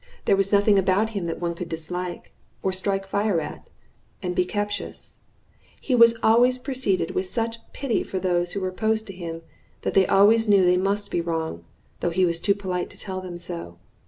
There was nothing about him that one could dislike, or strike fire at, and be captious; and he always proceeded with such pity for those who were opposed to him that they always knew they must be wrong, though he was too polite to tell them so.